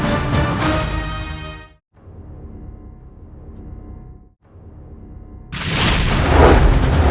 aku akan menang